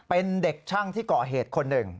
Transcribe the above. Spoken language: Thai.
เป็นเด็กช่างที่ก่อเหตุคนหนึ่ง